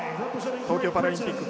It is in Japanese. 東京パラリンピック